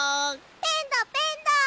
ペンだペンだ！